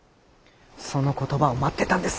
その言葉を待ってたんです。